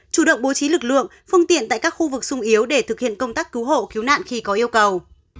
chủ động bố trí lực lượng phương tiện tại các khu vực sung yếu để thực hiện công tác cứu hộ cứu nạn khi có yêu cầu